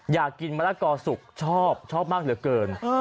อยากกินมะละกอสุกชอบชอบมากเหลือเกิน